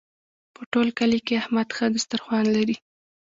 په ټول کلي کې احمد ښه دسترخوان لري.